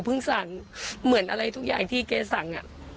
เพิ่งสั่งเหมือนอะไรทุกอย่างที่แกสั่งอ่ะ